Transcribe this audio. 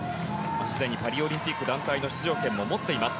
すでにパリオリンピック団体の出場権も持っています。